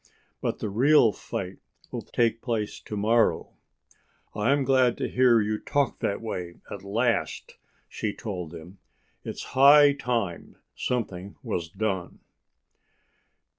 But the real fight will take place to morrow." "I'm glad to hear you talk that way at last," she told him. "It's high time something was done."